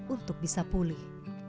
untuk bisa pulih